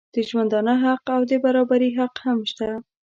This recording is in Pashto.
د ژوندانه حق او د برابري حق هم شته.